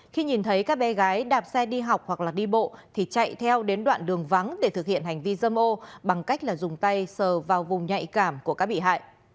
khi nhìn thấy các bé gái đạp xe đi học hoặc đi bộ thì chạy theo đến đoạn đường vắng để thực hiện hành vi dâm ô bằng cách dùng tay sờ vào vùng nhạy cảm của các bị hại